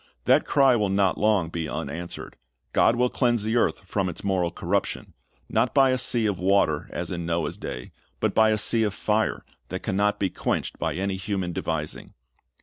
That cry will not long be unanswered. God will cleanse the earth from its moral corruption, not by a sea of water as in Noah's day, but by a sea of fire that can not be quenched by any human devising.